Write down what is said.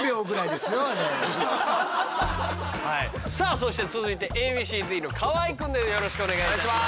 さあそして続いてＡ．Ｂ．Ｃ−Ｚの河合くんです